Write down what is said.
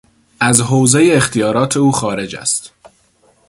از حوزهی اختیارات او خارج است.